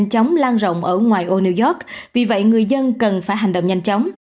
những dòng phụ đang đang sống lan rộng ở ngoài ô new york vì vậy người dân cần phải hành động nhanh chóng